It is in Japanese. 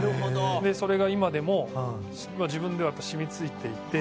でそれが今でも自分では染み付いていて。